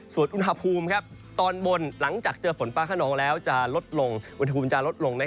ส่วนอุณหภูมิตอนบนหลังจากเจอฝนฟ้าขนองแล้วจะลดลงอุณหภูมิจะลดลง